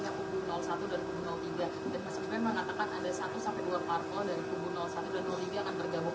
masjidnya mengatakan ada satu dua parkur dari ubu satu dan ubu tiga akan bergabung